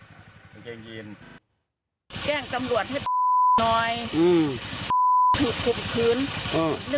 แล้วก็พูดดังเนาะมันไม่เคยได้ยินมันไม่เคยเจอนะ